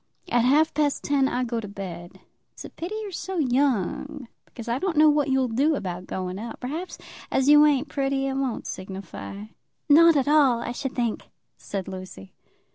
At half past ten I go to bed. It's a pity you're so young, because I don't know what you'll do about going out. Perhaps, as you ain't pretty, it won't signify." "Not at all, I should think," said Lucy.